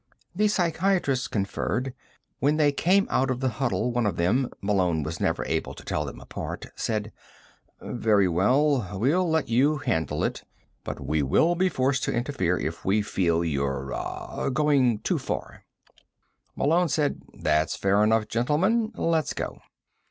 The psychiatrists conferred. When they came out of the huddle one of them Malone was never able to tell them apart said: "Very well, we'll let you handle it. But we will be forced to interfere if we feel you're ... ah ... going too far." Malone said: "That's fair enough, gentlemen. Let's go."